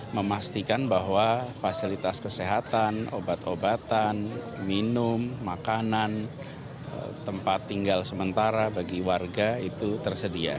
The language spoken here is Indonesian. memastikan bahwa fasilitas kesehatan obat obatan minum makanan tempat tinggal sementara bagi warga itu tersedia